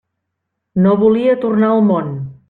No volia tornar al món.